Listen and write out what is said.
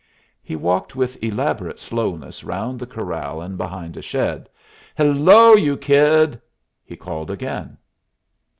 He walked with elaborate slowness round the corral and behind a shed. "Hello, you kid!" he called again.